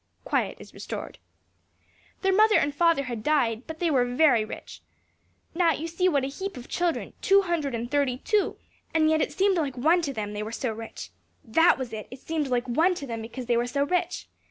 (Quiet is restored.) "Their mother and father had died, but they were very rich. Now, you see what a heap of children, two hundred and thirty two! and yet it seemed like one to them, they were so rich. That was it! it seemed like one to them because they were so rich.